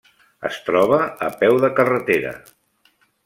Es troba a peu de carretera.